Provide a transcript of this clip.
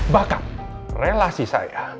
bahkan relasi saya